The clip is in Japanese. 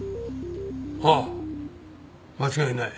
ああ間違いない。